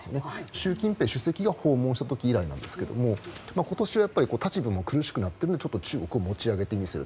習近平主席が訪問した時以来なんですけど今年は立場も苦しくなっているので中国を持ち上げている。